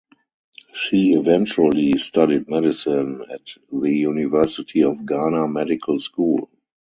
She eventually studied medicine at the University of Ghana Medical School.